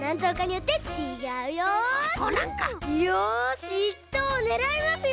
よし１とうをねらいますよ！